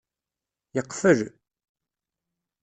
Yeqfel.